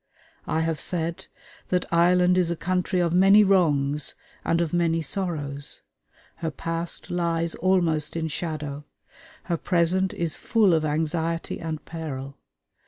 I have said that Ireland is a country of many wrongs and of many sorrows. Her past lies almost in shadow. Her present is full of anxiety and peril.